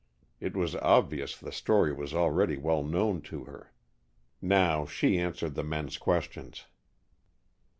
It was obvious the story was already well known to her. Now she answered the men's questions.